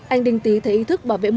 anh đinh tý thấy ý thức bảo vệ môi trường